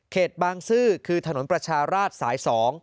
บางซื่อคือถนนประชาราชสาย๒